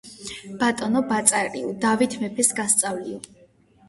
ბატონო ბაწარიო, დავით მეფეს გასწავლიო,